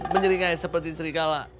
menyeringai seperti serigala